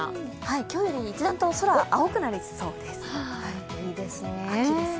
今日より一段と空が青くなりそうです。